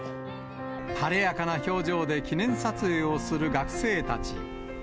晴れやかな表情で記念撮影をする学生たち。